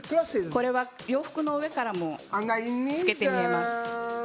これは洋服の上からも透けて見えます。